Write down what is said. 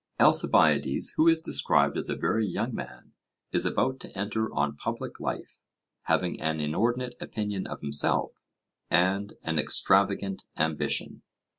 Alcibiades, who is described as a very young man, is about to enter on public life, having an inordinate opinion of himself, and an extravagant ambition.